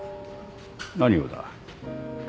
何をだ？